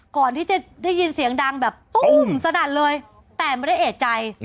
ก่อนที่จะได้ยินเสียงดังแบบตุ้มสนั่นเลยแต่ไม่ได้เอกใจ